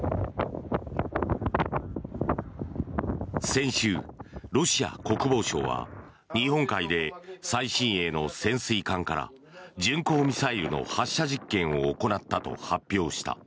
先週、ロシア国防省は日本海で最新鋭の潜水艦から巡航ミサイルの発射実験を行ったと発表した。